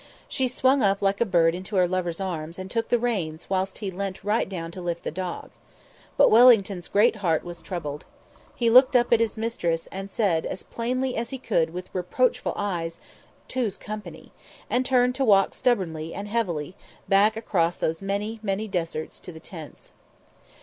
She swung up like a bird into her lover's arms and took the reins whilst he leant right down to lift the dog. But Wellington's great heart was troubled. He looked up at his mistress and said as plainly as could be with reproachful eyes. "Two's company," and turned to walk stubbornly and heavily, back across those many, many deserts to the tents.